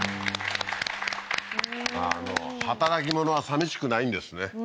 あの働き者はさみしくないんですね